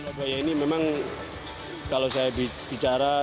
jawa timur ini memang kalau saya bicara